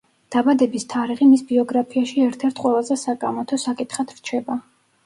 დაბადების თარიღი მის ბიოგრაფიაში ერთ-ერთ ყველაზე საკამათო საკითხად რჩება.